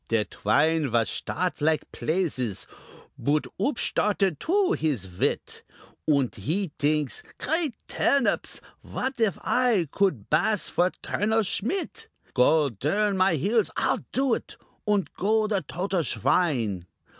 Der Twine vas shtart like plazes; Boot oopshtarted too his wit, Und he dinks, "Great Turnips! what if I Could bass for Colonel Schmit? Gaul dern my heels! I'll do it, Und go the total swine!